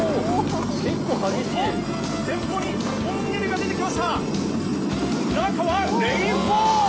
前方にトンネルが出てきました中はレインボー！